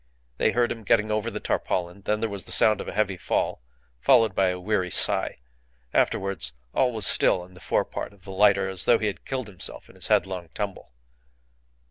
They heard him getting over the tarpaulin; then there was the sound of a heavy fall, followed by a weary sigh. Afterwards all was still in the fore part of the lighter, as though he had killed himself in his headlong tumble.